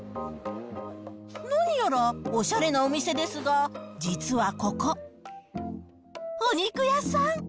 何やらおしゃれなお店ですが、実はここ、お肉屋さん。